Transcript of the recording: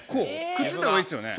くっついた方がいいですよね。